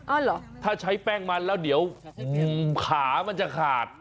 เหรอถ้าใช้แป้งมันแล้วเดี๋ยวขามันจะขาด